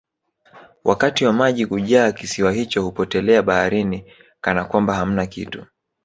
wakati wa maji kujaa kisiwa hicho hupotelea baharini Kana kwamba hamna kitu